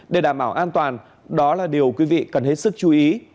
để đảm bảo an toàn đó là điều quý vị cần hết sức chú ý